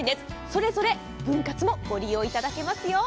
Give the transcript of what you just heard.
それぞれ分割もご利用いただけますよ。